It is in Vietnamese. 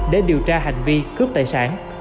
để điều tra hành vi cướp tài sản